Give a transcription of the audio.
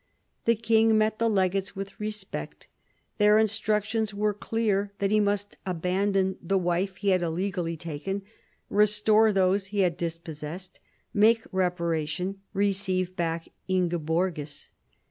The king met the legates with respect. Their in structions were clear that he must abandon the wife he had illegally taken, restore those he had dispossessed, make reparation, receive back Ingeborgis.